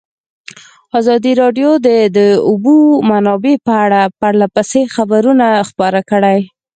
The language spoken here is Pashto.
ازادي راډیو د د اوبو منابع په اړه پرله پسې خبرونه خپاره کړي.